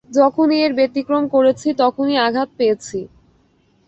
যখনই এর ব্যাতিক্রম করেছি, তখনই আঘাত পেয়েছি।